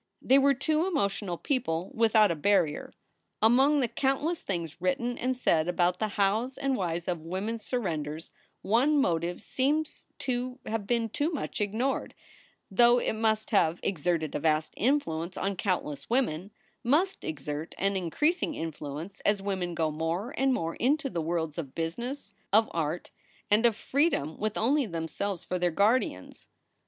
They were two emotional people without a barrier. 276 SOULS FOR SALE Among the countless things written and said about the hows and whys of women s surrenders one motive seems to have been too much ignored, though it must have exerted a vast influence on countless women, must exert an increas ing influence as women go more and more into the worlds of business, of art, and of freedom with only themselves for their guardians.